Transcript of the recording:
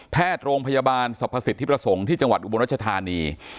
แพทย์โรงพยาบาลสรรพสิทธิประสงค์ที่จังหวัดอุบลรัชธานี